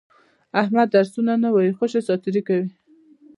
احمد درسونه نه وایي، خوشې ساتېري کوي.